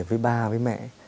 với ba với mẹ